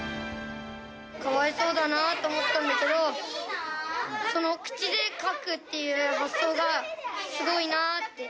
かわいそうだなあと思ったんだけど、その口で書くっていう発想が、すごいなあって。